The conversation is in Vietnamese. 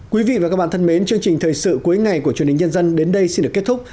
quý vị và các bạn thân mến chương trình thời sự cuối ngày của truyền hình nhân dân đến đây xin được kết thúc